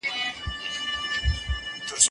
اغزي که تخم د سروګلونو